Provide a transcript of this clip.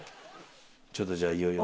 ちょっとじゃあいよいよ。